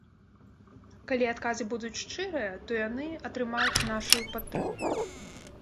Калі адказы будуць шчырыя, то яны атрымаюць нашую падтрымку.